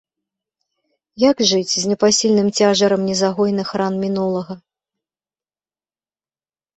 Як жыць з непасільным цяжарам незагойных ран мінулага?